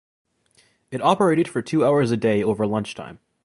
It operated for two hours a day over lunchtime.